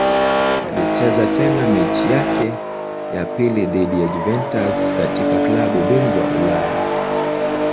Alicheza tena mechi yake ya pili dhidi ya Juventus katika klabu bingwa Ulaya.